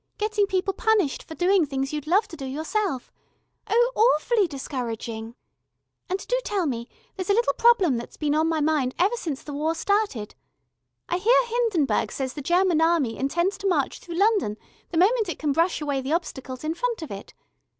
"Getting people punished for doing things you'd love to do yourself. Oh, awfully discouraging. And do tell me, there's a little problem that's been on my mind ever since the war started. I hear that Hindenburg says the German Army intends to march through London the moment it can brush away the obstacles in front of it.